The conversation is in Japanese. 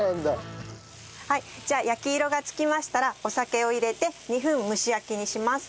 じゃあ焼き色がつきましたらお酒を入れて２分蒸し焼きにします。